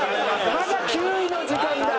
まだ９位の時間だ。